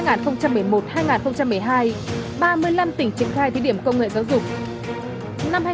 năm hai nghìn một mươi một hai nghìn một mươi hai ba mươi năm tỉnh triển khai thí điểm công nghệ giáo dục